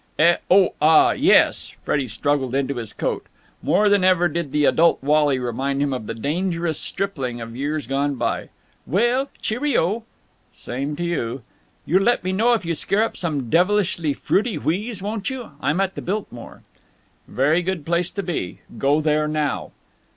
"Eh? Oh, ah, yes!" Freddie struggled into his coat. More than ever did the adult Wally remind him of the dangerous stripling of years gone by. "Well, cheerio!" "Same to you!" "You'll let me know if you scare up some devilish fruity wheeze, won't you? I'm at the Biltmore." "Very good place to be. Go there now."